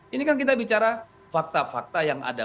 ini kan kita bicara fakta fakta yang ada